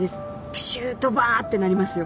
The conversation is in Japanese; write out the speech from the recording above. プシュードバーッてなりますよ。